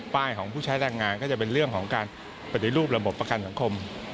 ของผู้ใช้แรงงานก็จะเป็นเรื่องของการปฏิรูประบบประกันสังคม